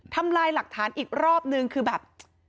ทำลายหลักฐานอีกรอบนึงคือแบบ